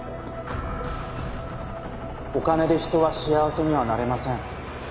お金で人は幸せにはなれません。